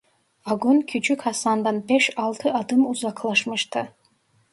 Vagon küçük Hasan'dan beş altı adım uzaklaşmıştı.